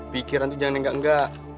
pikiran itu jangan jangan nggak nggak